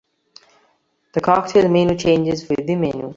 The cocktail menu changes with the menu.